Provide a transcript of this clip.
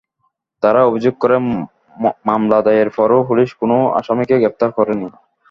তাঁরা অভিযোগ করেন, মামলা দায়েরের পরও পুলিশ কোনো আসামিকে গ্রেপ্তার করেনি।